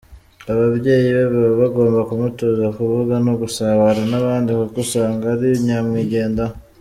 Ababyeyi be baba bagomba kumutoza kuvuga no gusabana n’abandi kuko usanga ari nyamwigendaho.